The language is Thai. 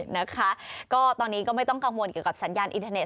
นะคะก็ตอนนี้ก็ไม่ต้องกังวลเกี่ยวกับสัญญาณอินเทอร์เซ